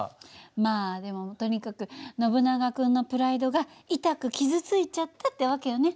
まあでもとにかくノブナガ君のプライドがいたく傷ついちゃったって訳よね。